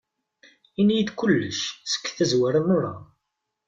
Ini-yi-d kullec seg tazwara meṛṛa.